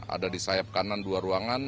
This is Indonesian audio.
ada di sayap kanan dua ruangan